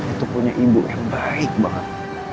itu punya ibu yang baik banget